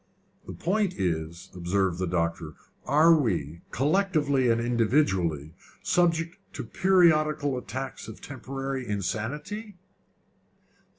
"The point is," observed the doctor "are we, collectively and individually, subject to periodical attacks of temporary insanity?"